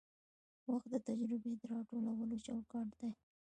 وخت د تجربې د راټولولو چوکاټ دی.